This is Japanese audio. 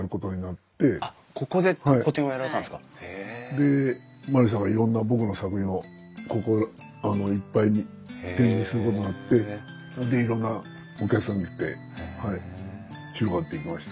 で万里さんがいろんな僕の作品をここいっぱいに展示することになってでいろんなお客さんが来てはい広がっていきました。